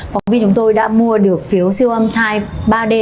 phóng viên chúng tôi đã mua được phiếu siêu âm thai ba d